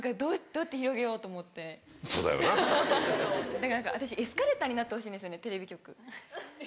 だから何か私エスカレーターになってほしいんですよねテレビ局。